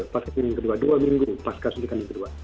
vaksin yang kedua dua minggu pasca suntikan kedua